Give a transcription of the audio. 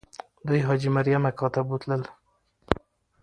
دوی حاجي مریم اکا ته بوتلل.